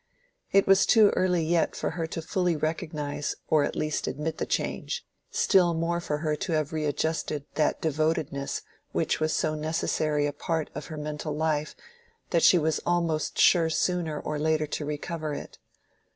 It was too early yet for her fully to recognize or at least admit the change, still more for her to have readjusted that devotedness which was so necessary a part of her mental life that she was almost sure sooner or later to recover it.